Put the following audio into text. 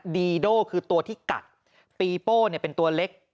ดีโด่คือตัวที่กัดปีโป้เป็นตัวเล็ก